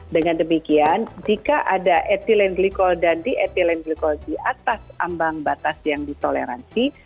dengan demikian jika ada ethylene glycol dan di ethylene glycol di atas ambang batas yang ditoleransi